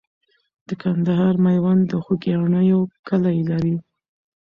د کندهار میوند د خوګیاڼیو کلی لري.